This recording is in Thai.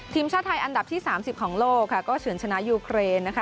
ทีมชาติไทยอันดับที่๓๐ของโลกค่ะก็เฉินชนะยูเครนนะคะ